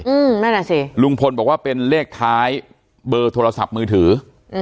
อืมนั่นแหละสิลุงพลบอกว่าเป็นเลขท้ายเบอร์โทรศัพท์มือถืออืม